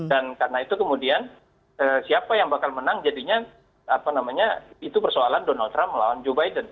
dan karena itu kemudian siapa yang bakal menang jadinya itu persoalan donald trump melawan joe biden